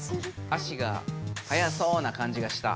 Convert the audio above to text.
足が速そうなかんじがした？